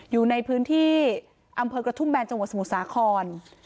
อยู่ในพื้นที่อำเภอกระทุ่มแบนจังหวัดสมุทรสาคร